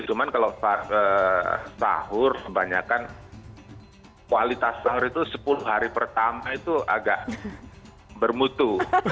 cuman kalau sahur kebanyakan kualitas sahur itu sepuluh hari pertama itu agak bermutu